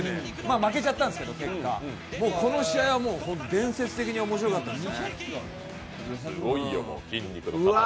負けちゃったんですけどこの試合は伝説的に面白かったです。